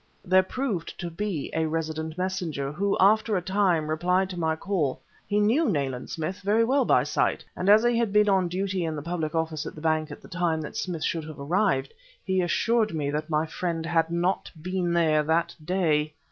There proved to be a resident messenger, who, after a time, replied to my call. He knew Nayland Smith very well by sight, and as he had been on duty in the public office of the bank at the time that Smith should have arrived, he assured me that my friend had not been there that day!